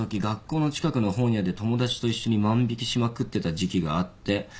学校の近くの本屋で友達と一緒に万引きしまくってた時期があって」